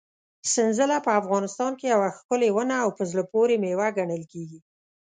سنځله په افغانستان کې یوه ښکلې ونه او په زړه پورې مېوه ګڼل کېږي.